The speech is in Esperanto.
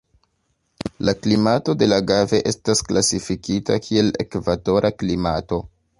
La klimato de Lagave estas klasifikita kiel ekvatora klimato.